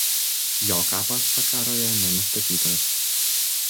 Jo kapas Sakaroje nenustatytas.